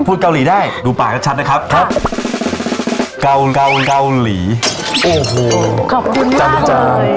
พูดเกาหลีได้ดูปากก็ชัดนะครับครับเกาหลีโอ้โหขอบคุณมากจังจัง